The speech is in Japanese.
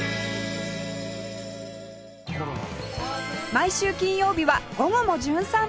毎週金曜日は『午後もじゅん散歩』